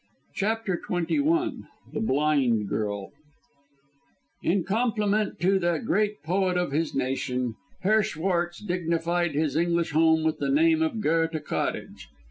CHAPTER XXI THE BLIND GIRL In compliment to the great poet of his nation, Herr Schwartz dignified his English home with the name of Goethe Cottage.